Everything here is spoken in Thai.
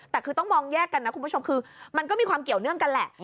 แต่คือต้องมองแยกกันนะคุณผู้ชมคือมันก็มีความเกี่ยวเนื่องกันแหละ